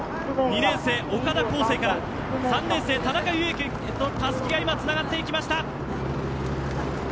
２年生、岡田晃成から３年生、田中優樹へたすきがつながっていきました。